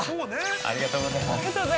◆ありがとうございます。